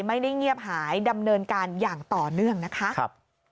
ไม่ได้เงียบหายดำเนินการอย่างต่อเนื่องนะคะ